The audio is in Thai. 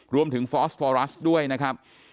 รวมถึงฟอสฟอรัสด้วยนะครับ